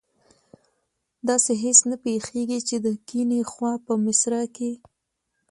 داسې هېڅ نه پیښیږي چې د کیڼي خوا په مصره کې.